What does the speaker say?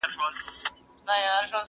دا پېغلتوب مي په غم زوړکې؛